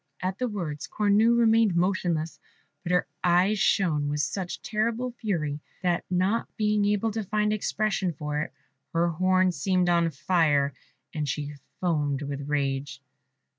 At the words Cornue remained motionless, but her eyes shone with such terrible fury, that, not being able to find expression for it, her horn seemed on fire, and she foamed with rage.